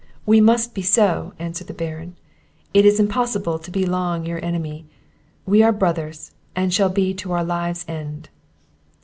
"We must be so," answered the Baron; "it is impossible to be long your enemy. We are brothers, and shall be to our lives' end."